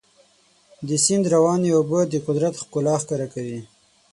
د سیند روانې اوبه د قدرت ښکلا ښکاره کوي.